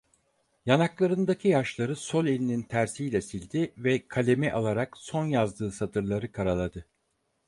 Yanaklarındaki yaşları sol elinin tersiyle sildi ve kalemi alarak son yazdığı satırları karaladı.